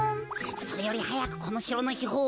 それよりはやくこのしろのひほう